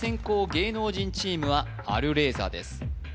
芸能人チームはあるレーザーです